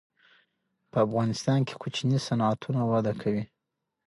په افغانستان کې کوچني صنعتونه وده کوي.